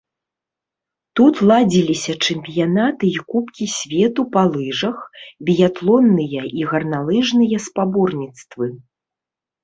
Тут ладзіліся чэмпіянаты і кубкі свету па лыжах, біятлонныя і гарналыжныя спаборніцтвы.